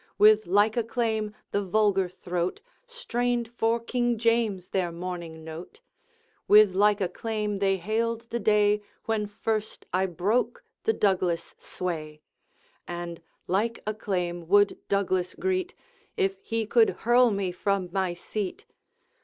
With like acclaim the vulgar throat Strained for King James their morning note; With like acclaim they hailed the day When first I broke the Douglas sway; And like acclaim would Douglas greet If he could hurl me from my seat.